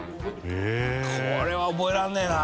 これは覚えらんねえな。